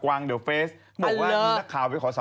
โอ๊ยนี่ก็